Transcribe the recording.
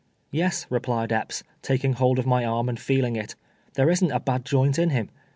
" Yes," replied Epps, taking hold of my arm and feeling it, " there isn't a bad joint in him.